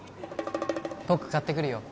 僕買ってくるよ